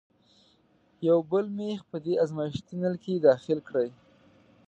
یو بل میخ په دې ازمیښتي نل کې داخل کړئ.